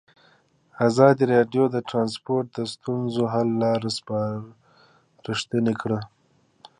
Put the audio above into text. ازادي راډیو د ترانسپورټ د ستونزو حل لارې سپارښتنې کړي.